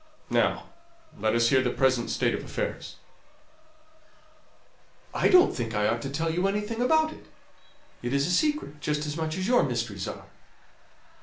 Now let us hear the present state of affairs." "I don't think I ought to tell you anything about it. It is a secret, just as much as your mysteries are."